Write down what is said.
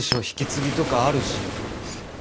引き継ぎとかあるし。